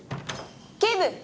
警部！